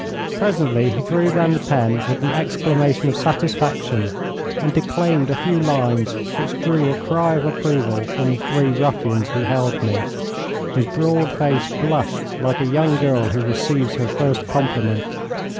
Presently he threw down the pen with an exclamation of satisfaction, and declaimed a few lines which drew a cry of approval from the three ruffians who held me. His broad face blushed like a young girl who receives her first compliment.